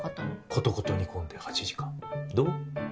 コトコト煮込んで８時間どう？